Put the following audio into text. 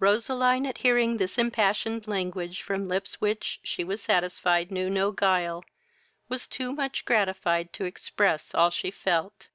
Roseline, at hearing this impassioned language from lips which, she was satisfied, knew no guile, was too much gratified to express all she felt.